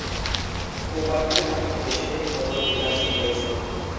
কোম্পানিটির আটটি দেশে মোটর ডিলারশিপ রয়েছে।